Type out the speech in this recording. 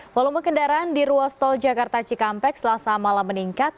volume kendaraan di ruas tol jakarta cikampek selasa malam meningkat